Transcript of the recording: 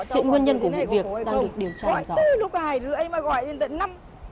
hiện nguyên nhân của vụ việc đang được điều tra rất rõ